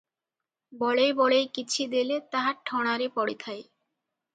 ବଳେଇ ବଳେଇ କିଛି ଦେଲେ ତାହା ଠଣାରେ ପଡ଼ିଥାଏ ।